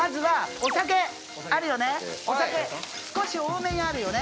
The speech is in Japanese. お酒少し多めにあるよね